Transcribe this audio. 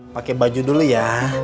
pakai baju dulu ya